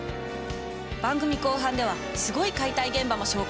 番組後半ではすごい解体現場も紹介。